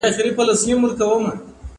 زه له سهاره د سبا لپاره د هنرونو تمرين کوم!.